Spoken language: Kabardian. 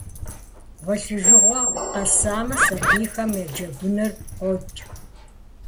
Гъуэлъыжыгъуэр къэсамэ, сабийхэм я джэгуныр къокӏ.